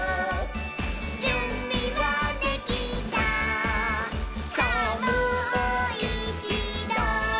「じゅんびはできたさぁもういちど」